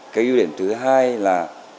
cái ưu điểm thứ hai là